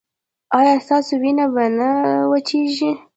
ایا ستاسو وینه به نه وچیږي؟